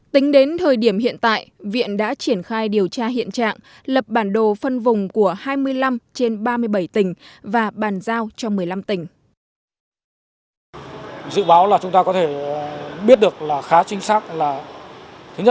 tính đến thời điểm hiện tại viện đã triển khai điều tra hiện trạng lập bản đồ phân vùng của hai mươi năm trên ba mươi bảy tỉnh và bàn giao cho một mươi năm tỉnh